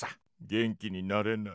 元気になれない。